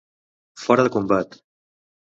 Fora de combat.